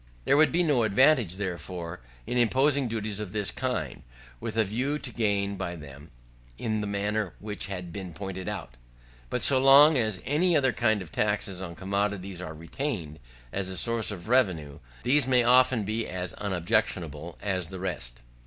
There would be no advantage, therefore, in imposing duties of this kind, with a view to gain by them, in the manner which has been pointed out. But so long as any other kind of taxes on commodities are retained, as a source of revenue, these may often be as unobjectionable as the rest.